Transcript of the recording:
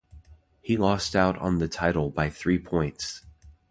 He lost out on the title by three points.